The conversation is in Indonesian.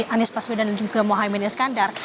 anies baswedan dan juga mohaimin iskandar